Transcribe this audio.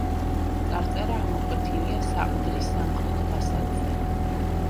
წარწერა ამოკვეთილია საყდრის სამხრეთ ფასადზე.